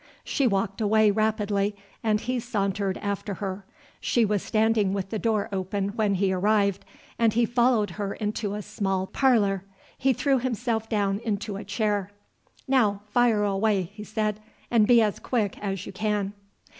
She walked away rapidly, and he sauntered after her. She was standing with the door open when he arrived, and he followed her into a small parlour. He threw himself down into a chair. "Now, fire away," he said; "and be as quick as you can."